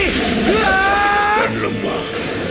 aku tidak akan lemah